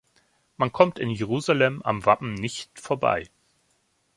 Man kommt in Jerusalem am Wappen nicht vorbei.